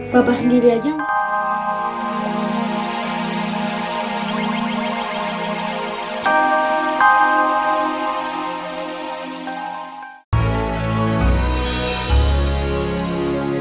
bapak sendiri aja gak